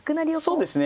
そうですね。